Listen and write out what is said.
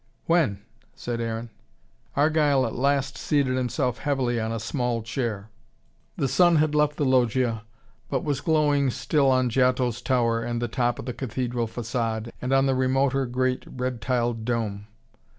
"When," said Aaron. Argyle at last seated himself heavily in a small chair. The sun had left the loggia, but was glowing still on Giotto's tower and the top of the cathedral facade, and on the remoter great red tiled dome.